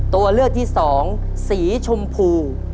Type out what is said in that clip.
ตัวเลือกที่สองสีชมพู